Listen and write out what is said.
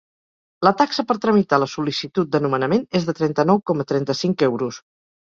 La taxa per tramitar la sol·licitud de nomenament és de trenta-nou coma trenta-cinc euros.